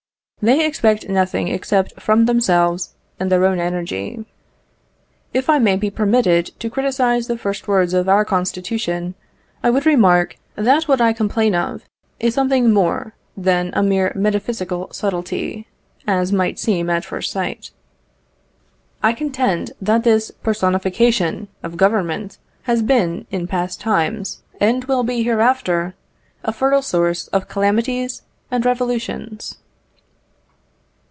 They expect nothing except from themselves and their own energy. If I may be permitted to criticise the first words of our Constitution, I would remark, that what I complain of is something more than a mere metaphysical subtilty, as might seem at first sight. I contend that this personification of Government has been, in past times, and will be hereafter, a fertile source of calamities and revolutions.